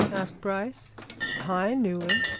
asked Bryce. "I knew him!"